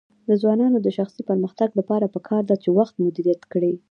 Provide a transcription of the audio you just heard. د ځوانانو د شخصي پرمختګ لپاره پکار ده چې وخت مدیریت کړي.